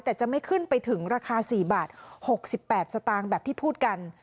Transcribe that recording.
แต่จะไม่ขึ้นไปถึงราคา๔บาท๖๘สตางค์แบบที่พูดกัน